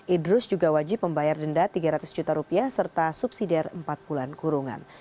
idrus juga wajib membayar denda tiga ratus juta rupiah serta subsidiare empat bulan kurungan